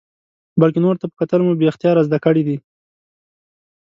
بلکې نورو ته په کتلو مو بې اختیاره زده کړې ده.